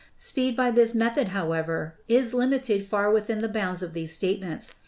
Speed by this method, however, is limited far within the bounds of these statements.